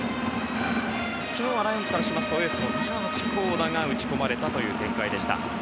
昨日はライオンズからしますとエースの高橋光成が打ち込まれたという展開でした。